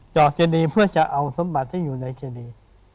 อกเจดีเพื่อจะเอาสมบัติที่อยู่ในเจดี